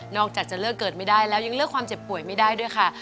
อกจากจะเลือกเกิดไม่ได้แล้วยังเลือกความเจ็บป่วยไม่ได้ด้วยค่ะ